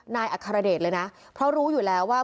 นายอัครเดชเลยนะเพราะรู้อยู่แล้วว่า